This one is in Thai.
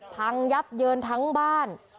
พังยับเยินทั้งบ้าน